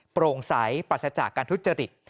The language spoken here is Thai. โปร่งใสปราศจากการทุจริต